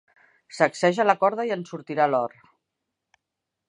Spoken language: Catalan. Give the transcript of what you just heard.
Sacseja la corda i en sortirà l'or.